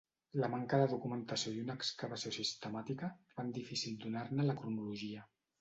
La manca de documentació i una excavació sistemàtica fan difícil donar-ne la cronologia.